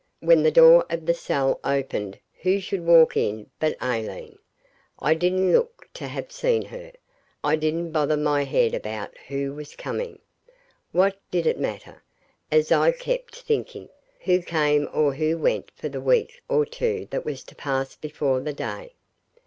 When the door of the cell opened who should walk in but Aileen! I didn't look to have seen her. I didn't bother my head about who was coming. What did it matter, as I kept thinking, who came or who went for the week or two that was to pass before the day?